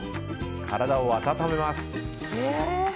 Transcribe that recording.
体を温めます。